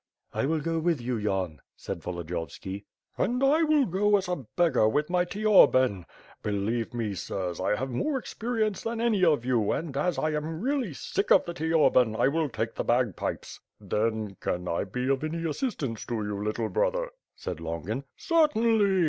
"I will go with you Yan," said Volodiyovski. "And I will go as a beggar with my teorbane. Believe me, sirs, I have more experience than any of you and as I am really sick of the teorbane, I will take the bagpipes." "Then, can I be of any assistance to you, little brother?" said Longin. "Certainly!"